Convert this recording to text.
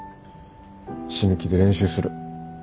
死ぬ気で練習する。